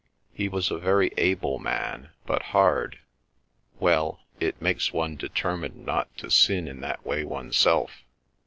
"He was a very able man, but hard. Well—it makes one determined not to sin in that way oneself.